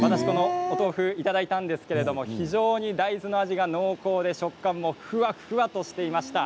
このお豆腐いただいたんですけど非常に大豆の味が濃厚で食感もふわふわとしていました。